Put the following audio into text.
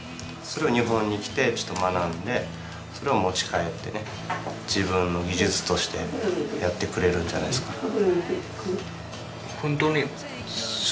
それを日本に来てちょっと学んでそれを持ち帰って自分の技術としてやってくれるんじゃないですか。